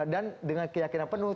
dan dengan keyakinan penuh